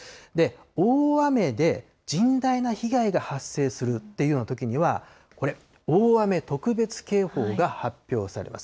大雨で、甚大な被害が発生するっていうようなときには、これ、大雨特別警報が発表されます。